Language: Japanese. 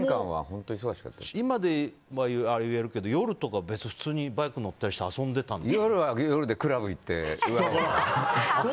今は言えるけど夜とか、普通にバイク乗ったり遊んでたんですか？